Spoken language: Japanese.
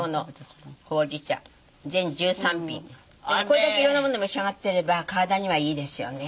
これだけ色んなものを召し上がってれば体にはいいですよね。